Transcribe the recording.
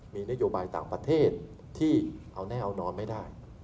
มีนโยบายต่างประเทศที่เอาแน่เอานอนไม่ได้